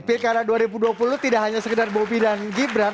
pilkada dua ribu dua puluh tidak hanya sekedar bobi dan gibran